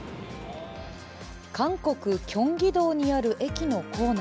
韓国キョンギドにある駅の構内。